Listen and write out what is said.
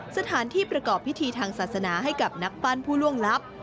สถานที่ประกอบพิธีทางศาสนาให้กับนักปั้นผู้ล่วงลับ